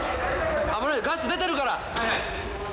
危ないよガス出てるから！